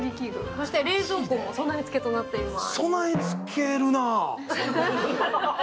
そして冷蔵庫も備えつけとなっております。